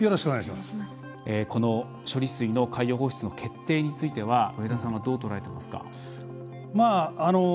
この処理水の海洋放出の決定については上田さんはどうとらえていますか。